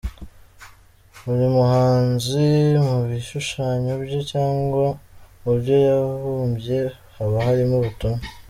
Buri muhanzi mu bishushanyo bye cyangwa mu byo yabumbye, haba harimo ubutumwa.